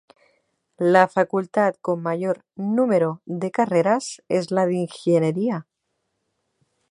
La facultad con mayor número de carreras es la de ingeniería.